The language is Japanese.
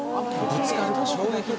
ぶつかると衝撃で。